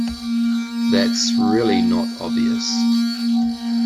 That’s really not obvious